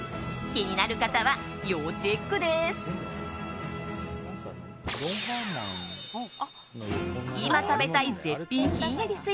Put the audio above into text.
気になる方は要チェックです。